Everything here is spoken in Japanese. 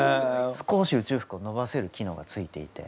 少し宇宙服を伸ばせる機能がついていて。